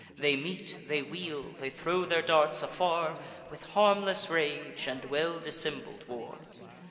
They meet; they wheel; they throw their darts afar With harmless rage and well dissembled war.